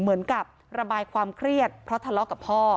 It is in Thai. เหมือนกับระบายความเครียดเพราะทะเลาะกับพ่อ